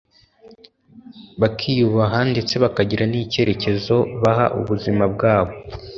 bakiyubaha ndetse bakagira n’icyerekezo baha ubuzima bwabo